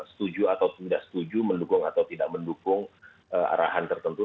setuju atau tidak setuju mendukung atau tidak mendukung arahan tertentu